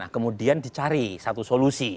kemudian dicari satu solusi